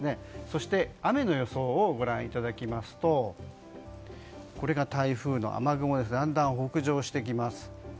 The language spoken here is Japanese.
そして、雨の予想をご覧いただきますとこれが台風の雨雲でだんだん北上してきます。